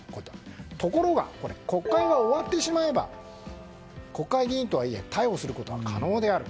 ところが国会が終わってしまえば国会議員とはいえ逮捕することは可能であると。